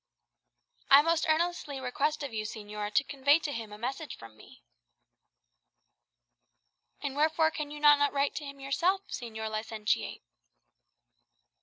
"I most earnestly request of you, señora, to convey to him a message from me." "And wherefore can you not write to him yourself, Señor Licentiate?"